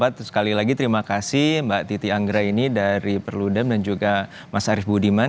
baik sekali lagi terima kasih mbak titi anggra ini dari perludem dan juga mas arief budiman